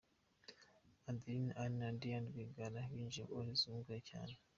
Adeline, Anne na Diane Rwigara binjiye barinzwe cyane.